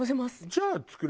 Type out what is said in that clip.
じゃあ作れるよ。